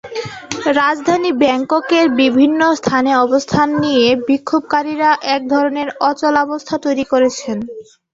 রাজধানী ব্যাংককের বিভিন্ন স্থানে অবস্থান নিয়ে বিক্ষোভকারীরা একধরনের অচলাবস্থা তৈরি করেছেন।